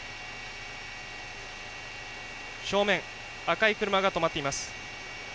正面、赤い車が止まっています。